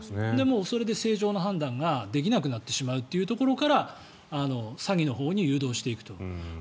それで正常な判断ができなくなってしまうというところから詐欺のほうに誘導していくと。